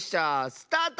スタート！